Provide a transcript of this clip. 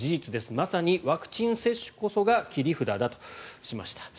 まさにワクチン接種こそが切り札だとしました。